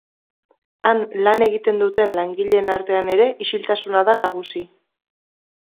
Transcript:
Han lan egiten duten langileen artean ere isiltasuna da nagusi.